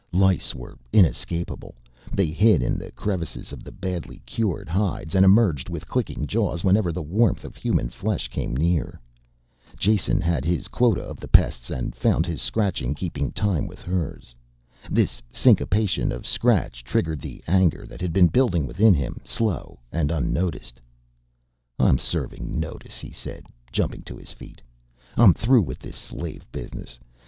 Lice were inescapable, they hid in the crevices of the badly cured hides and emerged with clicking jaws whenever the warmth of human flesh came near. Jason had his quota of the pests and found his scratching keeping time with hers. This syncopation of scratch triggered the anger that had been building within him, slow and unnoticed. "I'm serving notice," he said, jumping to his feet. "I'm through with this slave business.